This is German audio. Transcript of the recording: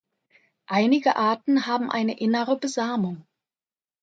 Einige Arten haben eine innere Besamung.